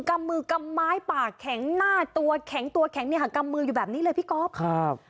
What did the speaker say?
กำมือกำไม้ปากแข็งหน้าตัวแข็งตัวแข็งเนี่ยค่ะกำมืออยู่แบบนี้เลยพี่ก๊อฟครับ